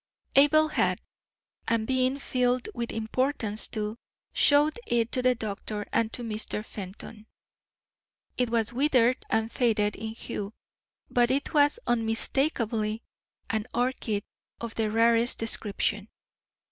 Abel had, and being filled with importance too, showed it to the doctor and to Mr. Fenton. It was withered and faded in hue, but it was unmistakably an orchid of the rarest description.